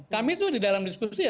kami itu di dalam diskusi ya